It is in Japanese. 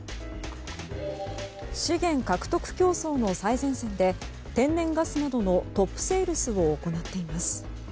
資源獲得競争の最前線で天然ガスなどのトップセールスを行っています。